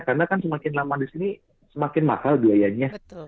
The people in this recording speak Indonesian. karena kan semakin lama di sini semakin mahal biayanya